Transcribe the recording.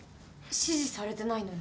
指示されてないのに？